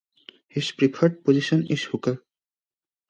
His preferred position is hooker.